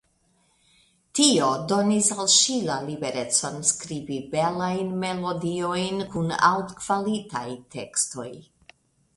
Tio donis al ŝi la liberecon skribi belajn melodiojn kun altkvalitaj tekstoj.